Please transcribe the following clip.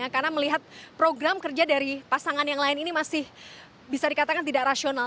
karena melihat program kerja dari pasangan yang lain ini masih bisa dikatakan tidak rasional